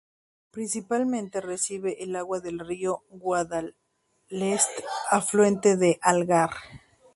Principalmente recibe el agua del río Guadalest, afluente del Algar.